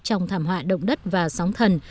trong thảm họa động đất và sóng thần